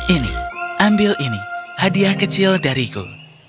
ini ambil ini hadiah kecil dariku